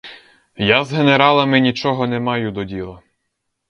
Я з генералами нічого не маю до діла.